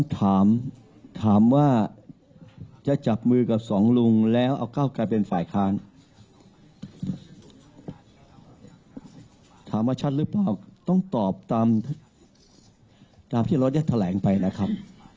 ตามที่เราได้แถลงไปนะครับ